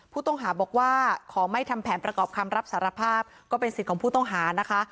ผู้ต้องหาบอกว่าขอไม่ทำแผนประกอบคำรับสารภาพก็เป็นสิทธิ์ของผู้ต้องหานะคะ